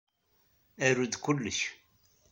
Aru-d kullec.